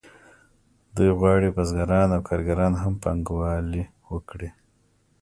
دوی غواړي بزګران او کارګران هم پانګوالي وکړي